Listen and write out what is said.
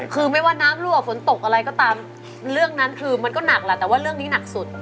คือไม่ว่าน้ำรั่วฝนตกอะไรก็ตามเรื่องนั้นคือมันก็หนักแหละแต่ว่าเรื่องนี้หนักสุด